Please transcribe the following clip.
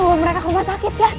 bawa mereka ke rumah sakit ya